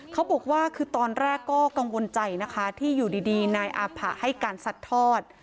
เขาบอกว่าคือตอนแรกก็กังวลใจนะคะที่อยู่ดีนายอาผะให้การสัดทอด